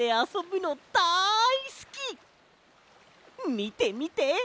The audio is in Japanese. みてみて！